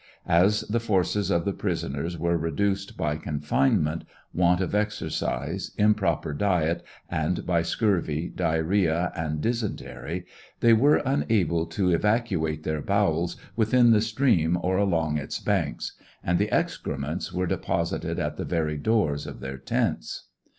As the' forces of the prisoners were reduced by confinement, want of exer cise, improper diet, and by scurvy, diarrhea, and dysentary, they were unable to evacuate their bowels within the stream or along its banks ; and the excrements were deposited at the very doors of their tents.